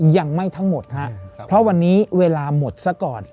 ยังไม่ทั้งหมดฮะเพราะวันนี้เวลาหมดซะก่อน